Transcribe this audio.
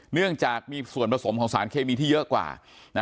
เนื่องจากมีส่วนผสมของสารเคมีที่เยอะกว่า